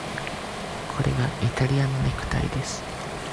これはイタリアのネクタイです。